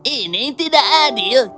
ini tidak adil